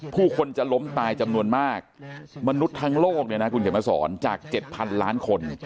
ผู้คนจะล้มตายจำนวนมากมนุษย์ทั้งโลกเนี่ยนะคุณเขียนมาสอนจาก๗๐๐ล้านคน